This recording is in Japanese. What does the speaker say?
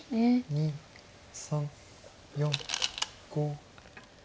２３４５。